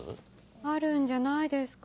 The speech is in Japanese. あるんじゃないですか？